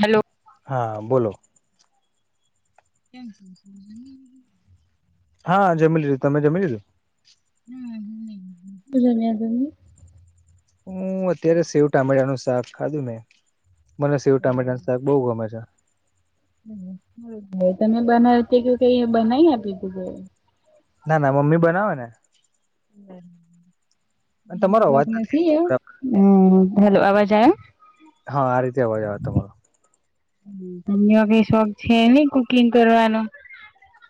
Hello. હા, બોલો. કેમ છો, જમી લીધું? હા, જમી લીધું, તમે જમી લીધું? હમ્મ, જમી લીધું. શું જમ્યા તમે? હું અત્યારે સેવ ટામેટા નું શાક ખાધું મને શેવ ટામેટાનું શાક બહુ ગમે છે. તમે બનાવા કહી ગીયું કે એ બનાવી આપી કે. ના, ના મમ્મી બનાવે ને. અને મમ્મી તમારો અવાજ ઘરે નથી એમ હમ્મ હલો અવાજ આવે? હા, આ રીતે અવાજ આવે તમારો. તમને એવા કઈ શોખ છે નઈ કુકિંગ કરવાનો?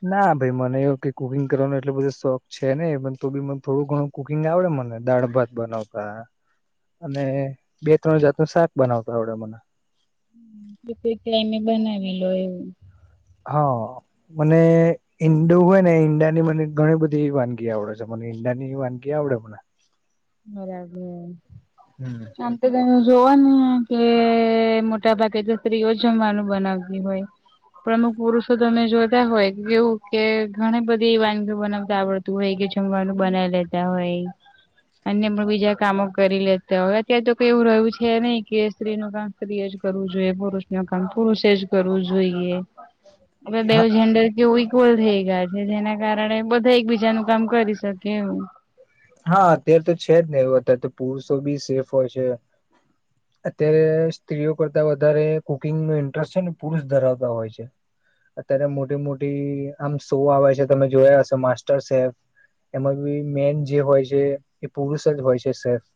ના, ભાઈ મને એ કે કુકિંગ કરવાનો એટલો બધો શોખ છે ને પણ તો બી મને થોડું ઘણું કુકિંગ આવડે મને દાળ-ભાત બનાવતા. અને બે-ત્રણ જાતનું શાક બનાવતા આવડે મને. કોઈ-કોઈ ટાઈમે બનાવી લો એવું. હા, મને ઈંડુ હોય ને ઈંડાની મને ઘણી બધી વાનગી આવડે છે, મને ઈંડાની વાનગી આવડે મને. બરાબર આમ. તમે જોવાનુ કે મોટા ભાગે તો સ્ત્રીઓ જમવાનું બનાવતી હોય. પણ અમુક પુરુષો તમે જોતા હોય કે કેવું કે ઘણી બધી એ વાનગીઓ બનાવતા આવડતું તું હોય કે જમવાનું બનાવી લેતા હોય. અન્ય પણ બીજા કામો કરી લેતા હોય અત્યારે તો કઈ એવું રહ્યું છે નહી કે સ્ત્રીનું કામ સ્ત્રીએ જ કરવું જોઈએ પુરુષનું કામ પુરુષે જ કરવું જોઈએ. હવે હ બેવ જેન્ડર કેવું ફૂલ થઈ ગયા છે જેના કારણે બધા એક બીજાનું કામ કરી શકે એવું. હા, અત્યારે તો છે જ ને એવું અત્યારે તો પુરુષો બી સેફ હોય છે. [inaudible] અત્યારે સ્ત્રીઓ કરતા વધારે કુકિંગનો ઇન્ટરેસ્ટ છે ને પુરુષ ધરાવતા હોય છે. અત્યારે મોટી-મોટી આમ શો આવે છે તમે જોયા હશે શૉ માસ્ટર શૉ. એમાં બી મેન જે હોય છે એ પુરુષ જ હોય છે સેફ.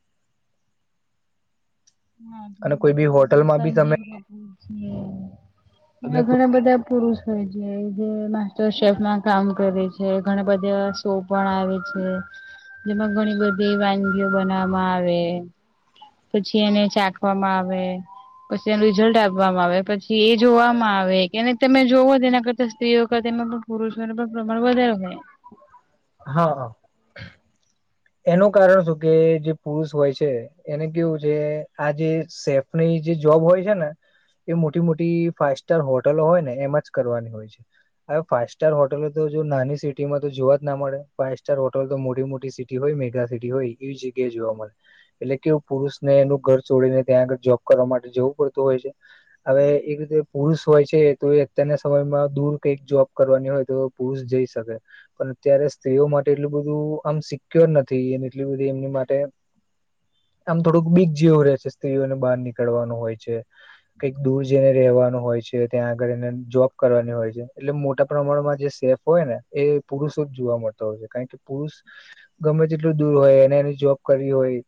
અને કોઈ બી હા હોટલમાં બી તમે સંજીવ કપૂર છે તમે બીજા કોઈ ઘણા બધા પુરુષ માસ્ટર શેફમાં કામ કરે છે ઘણા બધા શો પણ આવે છે. જેમાં ઘણી બધી વાનગીઓ બનાવવામાં આવે. પછી એને ચાખવામાં આવે. પછી એનું રિઝલ્ટ આપવામાં આવે. પછી એ જોવામાં આવે કે તમે જોવો તેના કરતા સ્ત્રીઓ કરતા પુરષોનો પણ પ્રમાણ વધારે હોય. હા, હા. [inaudible] એનું કારણ શું કે જે પુરુષ હોય છે એને કેવું છે આ જે સેફની જે જોબ હોય છે ને? એ મોટી-મોટી ફાઈવ સ્ટાર હોટલો હોય ને એમાં જ કરવાની હોય છે. હવે ફાઇવ સ્ટાર હોટલો તો જો નાની સિટીમાં તો જો ના મળે ફાઈવ સ્ટાર હોટલ તો મોટી-મોટી સિટી હોય મેગા સિટી હોય એવી જગ્યાએ જોવા મળે. એટલે કે પુરુષને એનું ઘર છોડીને ત્યાં આગળ જોબ કરવા માટે જવું પડતું હોય છે. હવે એક રીતે પુરુષ હોય છે તો એ અત્યારના સમયમાં દૂર કઈક જોબ કરવાની હોય તો દૂર જઈ શકે. ત્યારે સ્ત્રીઓ માટે એટલું બધું આમ સિક્યોર નથી એ એટલી બધી એમની માટે. આમ થોડુંક બીગ જેવું રહે છે સ્ત્રીઓને બહાર નીકળવાનું હોય છે. કઈક દૂર જઈને રહેવાનું હોય છે ત્યાં આગળ એને જોબ કરવાની હોય છે એટલે મોટા પ્રમાણમાં જે સેફ. હોય ને એ પુરુષો જ જોવા મળતા હોય છે કારણ કે પુરુષ. ગમે તેટલું દૂર હોય એને એની જોબ કરવી હોય.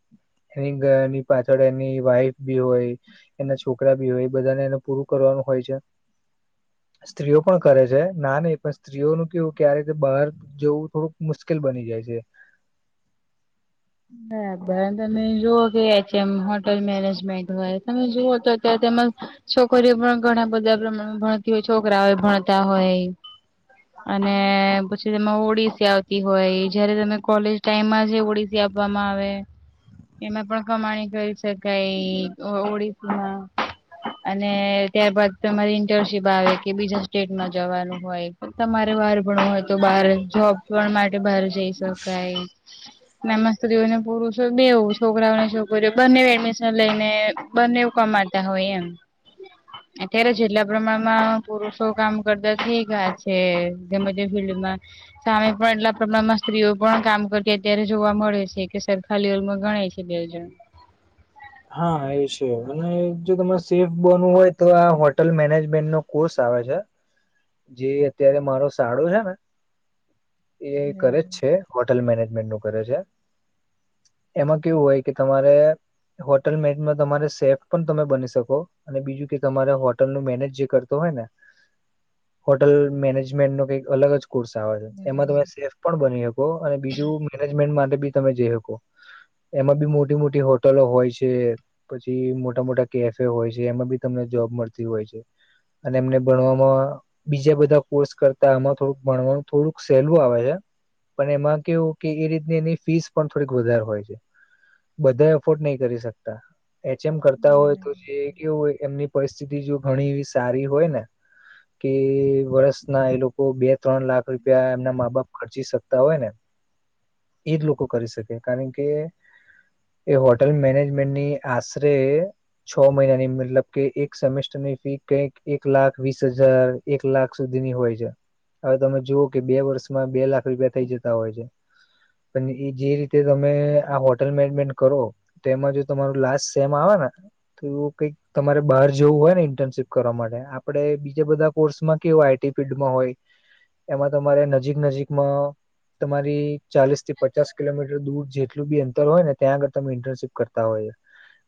એની ગની પાછળ એની વાઈફ બી હોય. એના છોકરા બી હોય એ બધાને એને પૂરું કરવાનું હોય છે. સ્ત્રીઓ પણ કરે છે ના નહી પણ સ્ત્રીઓનું કેવું ક્યારે રીતે બહાર. જેવું થોડુંક મુશ્કેલ બની જાય છે. બરાબર તમે જુઓ કે છે એમ હોટેલ મેનેજમેન્ટ હોય તમે જુઓ તો અત્યારે તેમજ. છોકરીઓ પણ ઘણા બધા પ્રમાણમાં ભણતી હોય છોકરાઓ ભણતા હોય. અને પછી તેમાં ઓડિશી આવતી હોય જયારે તમે કોલેજ ટાઈમમાં જે ઓડશ. આપવામાં આવે. એમાં પણ કમાણી કરી શકાય ઓડિશીમાં. અને ત્યારબાદ તમારી ઇન્ટર્નશીપ આવે કે બીજા સ્ટેટમાં જવાનું હોય. તમારે બાર ભણું હોય તો બહાર જોબ પણ માટે બહાર જઈ શકાય. નામાં સ્ત્રીઓને પુરુષો બેવ છોકરાઓને છોકરીઓ બંને એડમિશન લઈને. બને એવું કમાતા હોય એમ. અત્યારે જેટલા પ્રમાણમાં પુરુષો કામ કરતા થઈ ગયા છે ગમે તે ફિલ્ડમાં. સામે પણ એટલા પ્રબ્મમાં સ્ત્રીઓ પણ કામ કરતી અત્યારે. જોવા મળે છે કે સર ખાલી ઓલમાં ગણાય છે બેઉ જન. હા એ છે અને જો તમારે સેફ બોનવું હોય તો આ હોટલ મેનેજમેન્ટ નો કોર્સ આવે છે. જે અત્યારે મારો સાડો છે ને એ કરે જ છે. હોટેલ મેનેજમેન્ટ નું કરે છે એમાં કેવું હોય કે તમારે. હોટેલ મેન્ટમાં તમારે સેફ પણ તમે બની શકો. અને બીજું કે તમારે હોટલ નું મેનેજ જે કરતો હોય ને. હોટલ મેનેજમેન્ટ ન કઈક અલગ જ. કોર્સ આવે છે એમાં તમે સેફ પણ બની શકો અને બીજું મેનેજમેન્ટ માટે બી તમે જઈ શકો. એમાં બી મોટી મોટી હોટલો હોય છે. પછી મોટા મોટા કેફે હોય છે એમાં બી તમને જોબ મળતી હોય છે. અને એમને ભણવામાં. બીજા બધા કોર્સ કરતા આમાં થોડુંક ભણવાનું થોડુંક સહેલું આવે છે. પણ એમાં કેવું કે એ રીતની એની ફીસ પણ થોડીક વધારે હોય છે. બધા એ ફોર્ડ નહી કરી શકતા. એચ એમ કરતા હોય તો જે કેવું હોય એમની પરિસ્થિતિ જો ઘણી એવી સારી હોય ને. કે વર્ષ ના એ લોકો બે ત્રણ લાખ રૂપિયા એમના મા બાપ. ખર્ચી શકતા હોય ને એજ લોકો કરી શકે કારણ કે. એ હોટેલ મેનેજમેન્ટની આશરે. છ મહિનાની મતલબ કે એક સેમેસ્ટરની ફી કઈક એક લાખ વીસ હજાર. એક લાખ સુધીની હોય છે. અવે તમે જુઓ કે, બે વર્ષમાં બે લાખ રૂપિયા થઇ જતા હોય છે. પણ એ જે રીતે તમે આ હોટેલ મેડમેન્ટ કરો. તેમાં જો તમારુ લાસ્ટ સેમ આવે ને. તો કઈક તમારે બાર જવું હોય ને ઇન્ટર્નશીપ કરવા માટે આપડણે બી જે બધા કોસમાં કેવય આઈટી ફીડમાં હોય, એમાં તમારે નજીક નજીકમાં. તમારી ચાલીસ થી પચાસ કિલોમીટર દૂર જેટલું બી અંતર હોય, ત્યાં આગળ તમે ઇન્ટર્નશીપ કરતા હોયે.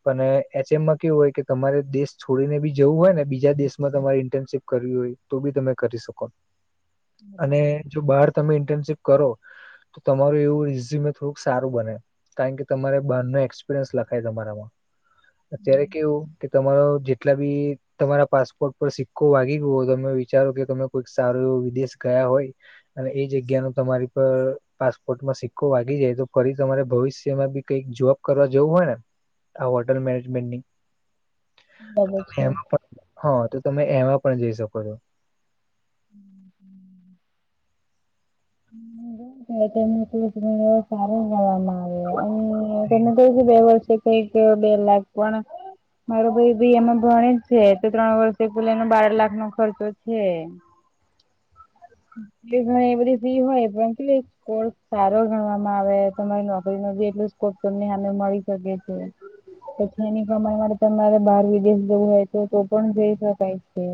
પણ એચ એમમાં કેવું હોય કે, તમારે દેશ છોડીને બી જવું હોય ને બીજા દેશમાં તમારી ઇન્ટર્નશીપ. કરવી ઓય તો બી તમે કરી સકો અને જો બાર. તમે ઇન્ટર્નશીપ કરો તો તમારું એવું ઇઝી મે થોડુંક સારુ બને. કાયન કે તમારે બારનો એક્સપિરિયન્સ લખાય તમારામાં. અત્યારે કેવું કે તમારો જેટલા બી તમારા પાસપોર્ટ પર સિક્કો વાગે. તુઓ તમે વિચારો કે, તમે કોઈક સારો એવ વિદેશ ગયા હોય. અને એ જગ્યા ન તમારી પર પાસપોર્ટમાં સિક્કો વાગી જાય, તો ફરી તમારે ભવિષ્યમાં બી કઈક જોબ કરવા જેવું હોય ને, આ હોટેલ મેનેજમેન્ટની. અ તો બરાબર તમે હ તો તમે એમાં પણ લઈ શકો. [inaudible] હમ્મ. [unintelligible] થઈ ગીયો બે લાખ પણ. મારો ભાઈ ભાઈ એમાં ભણે છે, તો ત્રણ વર્ષ પલા એનો બાર લાખ નો ખર્ચો છે. એ ભઈ એ બધી ફી હોય પણ કે કોર્સ સારો ગણવામાં આવે. તમારી નોકરી નો જેટલો સ્કોપ તમને હામે મળી શકે છે. તો છ ની કમાઈ માટે ત મારે બાર વિદેશ જવું હોય, તો તો પણ જઈ શકાય છે.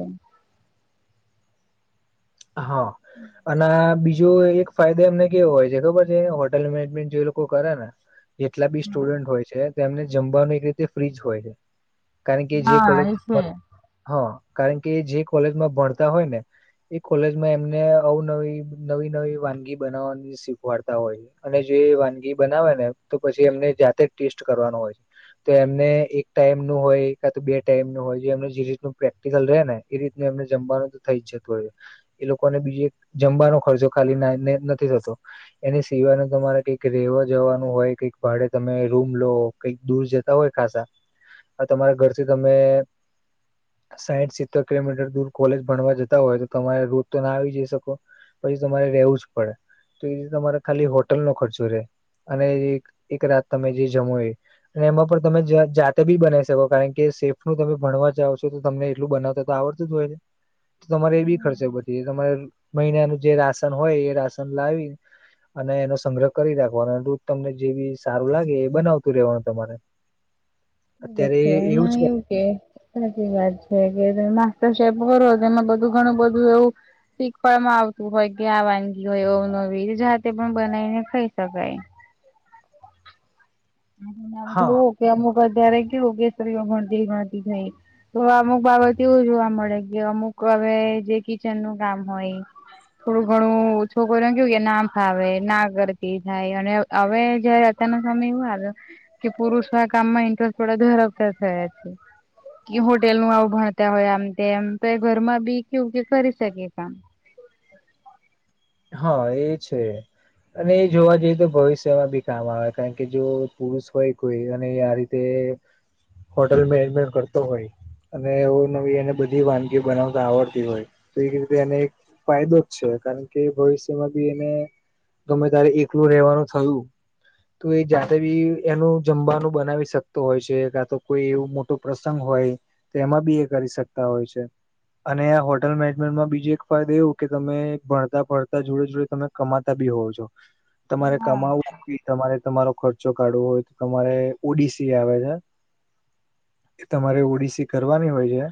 હ અને બીજ જો એક ફાયદા એમને કેવો હોય છે ખબર છે, હોટેલ મેનેજમેન્ટ જો એ લોકો કરે ને જેટલા બી સ્ટુડન્ટ હોય છે, તેમને જમવાનું એક રીતે ફ્રીજ હોય. કારણ કે જે હા કોલેજ એ છે. ભ હ કારણ કે જે કોલેજમાં ભણતા હોય ને એ કોલેજમાં એમને અવનવી નવી નવી વાનગી બનાવવાની. શીખવાડતા હોય અને જે વાનગી બનાવે ને તો પછી એમને જાતે જ ટેસ્ટ કરવાનો હોય. તો એમને એક ટાઈમ નું હોય કા તો બે ટાઈમ નુ હોય જે એમનું જીજીટ નુ પ્રેક ટિકલ રે ને એ રીતનું એમને જમવાનું તો થઈ જતું ઓય. એ લોકોને બીજે એક જમવાનો ખર્ચો ખાલી નાઈ ના નથી થતો. એની સિવાયને તમારે કઈક રેવા જવાનું હોય કઈક ભાડે તમે રૂમ લો. કઈક દૂર જતા હોય ખાસા. હ તમાયા ઘરથી તમે. સાઈઠ સિત્તેર કિલોમીટર દૂર કોલેજ ભણવા જતા હોય. તમાયે રોજ તો ના આવી જઈ શકો, પછી તમાયે રેવું જ પડે. તો ઈ રે તમારે ખાલી હોટલ નો ખર્ચો રે અને એક રાત તમે જી જમો એ. અને એમાં પણ તમે જા જાતે બી બનાવી શકો, કારણ કે સેફ નું તમે ભણવા જાાવ છો તો તમને એટલું બનાવતા તો. આવડતું જ હોય ને, તો તમારે એ બી જે તમારે મહિનાનું જે રાસન હોય એ રાસન લાવી. અને એનો સંગ્રહ કરી રાખવાનો રુજ તમને જે બી સારુ લાગે એ બનાવતું રેવાનું તમારે. કે અત્યારે કેમ એવું જ આયું? કે સાચી વાત છે, કે તમે માસ્ટર શેફ કરો એમાં બધું ઘણું બધું એવું. શીખપણમાં આવતું હોય, કે આ વાનગી ઓય અવનવી જાતે પણ બનાવીને ખાઈ શકાય. જો હા કે અમુક અત્યારે કેવુ કે સ્ત્રીઓ ભણતી ગણતી થયી. તો અમુક બાબત એવું જોવા મળે, કે અમુક અવે જે કિચન નું કામ ઓય. થોડુ ઘણું છોકરીઓ ન કેવું કે ના ફાવે, ના કરતી થાય અને અવે જય હતા નો સમય વાર કે પુરુષ ના કામમાં ઇન્ટરેસ્ટ થોડો ધરાવતા થયા છે. કી હોટેલ નું આવું ભણતા હોય આમ તેમ, તો ઘરમાં બી કેવું કે કરી શકે કામ. હા એ છે. અને એ જોવા જઈએ તો ભવિષ્યમાં ભી કામ આવે કારણ કે જો પુરુષ હોય કોઈ અને આ રી તે હોટેલ મેનેજમેન્ટ કરતો હોઈ અને એવ નવી એને બધી વાનગી બનાવતા આવડતી હોય તો એ રીતે એને એક ફાયદો જ છે કારણ કે ભવિષ્યમાં બી એને ગમે તારે એકલું રેવાનું થયું. તો એ જાતે બી એનું જમવાનું બનાવી શકતો હોય છે કા તો કોઈ એવું મો ટો પ્રસંગ હોય તો એમાં બી એ કરી શકતા હોય છે. અને આ હોટેલ મેનેજમેન્ટમાં બીજો એક ફાયદો એવું કે તમે ભણ તા ભણતા જોડે જોડે તમે કમાતા બી હોવ છો તમારે હા કમાવું તમારે તમારો ખર્ચો કાઢવો હોય તો તમારે ઓડિસી આવે સે એ તમારે ઓડિસી કરવાની હોય જે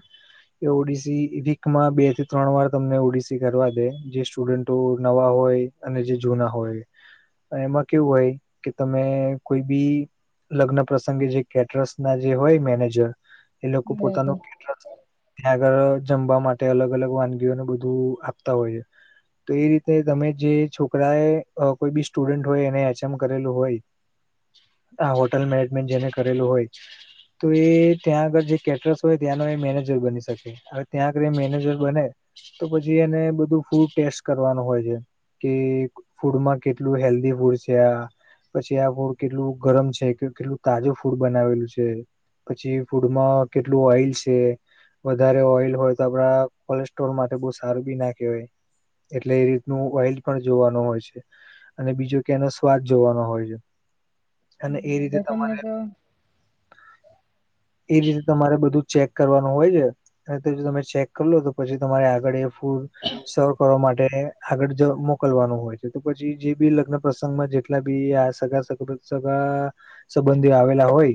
એ ઓડીસી વીકમાં બે થી ત્રણ વાર તમને ઓડિસી કરવા દે જે સ્ટુડન્ટો નવા હોય અને જે જૂના હોય એમાં કેવું હોય કે તમે કોઈ બી લગ્ન પ્રસંગે જે કેટરસ ના જે હોય મેનેજર એ લોકો બરાબર. પોતાનું કેટરસ ત્યાં આગળ જમવા માટે અલગ અલગ વાનગીઓને બધું આપતા હોઈએ તો એ રીતે તમે જે છોકરા એ કોઈ બી સ્ટુડન્ટ હોય એને એચ એમ કરેલું હોય [inaudible] આ હોટલ મેનેજમેન્ટ જેને કરેલું હોય તો એ ત્યાં આગળ જે કેટરસ હોય ત્યાંનો એ મેનેજર બની શકે. હવે ત્યાં આગળ એ મેનેજર બને તો પછી એને બધું ફૂડ ટેસ કરવાનું હોય છે કે ફૂડમાં કેટલું હેલ્ધી ફૂડ છે આ પછી આ ફૂડ કેટલું ગરમ છે કે કેટલું તાજું ફૂડ બનાવેલું છે. પછી ફૂડમાં કેટલું ઓઈલ છે. વધારે ઓઇલ હોય તો આપડા કોલેસ્ટ્રોલ માટે બઉ સારું બી ના કેવાય. એટલે એ રીતનું ઓઇલ પણ જોવાનું હોય છે. અને બીજો કે એનો સ્વાદ જોવાનો હોય છે. અને એ રીતે બરાબર તમને તમારે [inaudible] એ રીતે તમારે બધું ચેક કરવાનું હોય સે અને તે જો તમે ચેક કરી લો તો પછી તમારે આગળ એ ફૂડ સ વ કરવા માટે આગળ જ મોકલવાનું હોય છે તો પછી જે બી લગ્ન પ્રસંગમાં જેટલા બી આ સગા સબ સગા સંબંધીઓ આવેલા હોય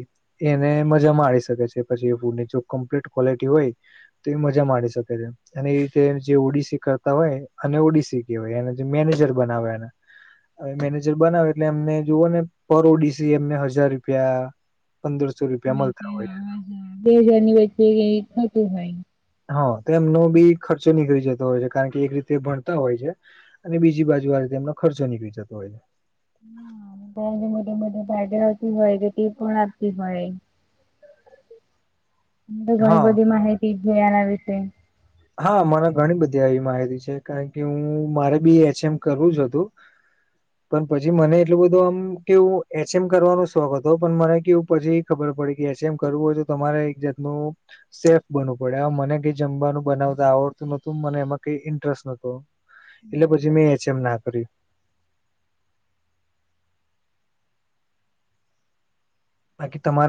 એને મજામાંણી શકે છે પછી એ ફૂડની જો કમ્પ્લીટ ક્વોલિટી હોય તો એ મજા માંડી શકે છે અને એ રીતે જે ઓડી શી ક રતા હોય અને ઓડીસી કેવાય એને જે મેનેજર બનાવે એને હવે મેનેજર બનાવે એટલે એમને જુઓ ને પર ઓડીસી એમને હજાર રૂપિયા પંદરસો રૂપિયા મલતા હોય બે હજારની વચ્ચે થતું હોય. હા તો એમનો બી ખર્ચો નીકળી જતો હોય છે કારણ કે એક રીતે ભણતા હોય છે. અને બીજી બાજુ આરીતે એમનો ખર્ચો નીકળી જતો હોય [unintelligible] હોય તો તે પણ આપતી હોય. તો ઘણી હા બધી માહિતી છે આના વિશે હા મને ઘણી બધી આવી માહિતી છે કારણ કે હું મારે બી એચ એમ કરવું જ હતું [inaudible] પન પછી મને એટલું બધું આમ કેવું એચ એમ કરવાનો શોખ હતો પન મને કેવું પછી ખબર પડી કે એચ એમ કરવું હોય તો તમારે એક જાતનું સેફ બનવું પડે મને કઈ જમવાનું બનાવતા આવડતું નતું મને એમાં કઈ ઇન્ટરેસ નતો એટલે બરાબર. પછી મેં એચ એમ ના કર્યું બાકી તમાર